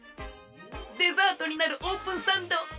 デザートになるオープンサンドええね！